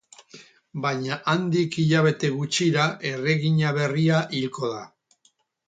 Baina handik hilabete gutxira erregina berria hilko da.